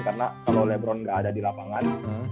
karena kalo lebron ga ada di lapangan